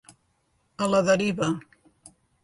A la deriva.